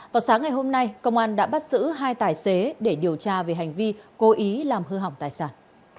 vào sáng ngày hôm nay công an đã bắt giữ hai tài xế để điều tra về hành vi cố ý làm hư hỏng tài sản